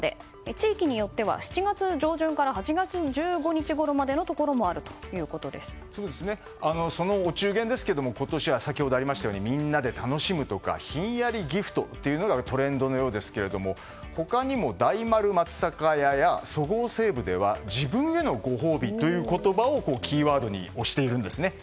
地域によっては７月上旬から８月１５日ごろまでのところもそのお中元ですけど今年は、先ほどありましたようにみんなで楽しむとかひんやりギフトなどがトレンドのようですが他にも大丸松坂屋やそごう・西武では自分へのご褒美をキーワードに推しているんですね。